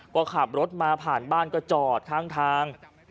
ก็ขับรถมาผ่านบ้านก็จอดข้างทาง